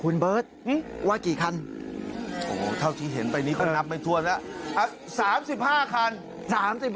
คุณเบิร์ตว่ากี่คันโอ้โฮเท่าที่เห็นไปนี้คงนับไม่ทวนแล้ว